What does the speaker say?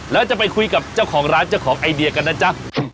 ร้านเจ้าของไอเดียกันนะจ๊ะ